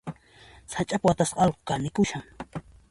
Sach'api watasqa allqu kanikushan.